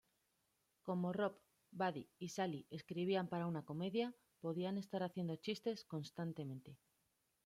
Como Rob, Buddy y Sally escribían para una comedia, podían estar haciendo chistes constantemente.